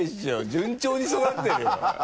順調に育ってるよ。